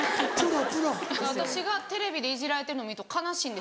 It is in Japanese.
私がテレビでイジられてるの見ると悲しいんですって。